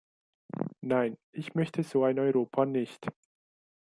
Nein, ich möchte so ein Europa nicht.